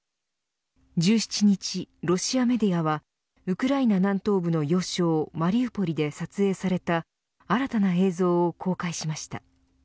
１７日、ロシアメディアはウクライナ南東部の要衝マリウポリで撮影された新たな映像を公開しました。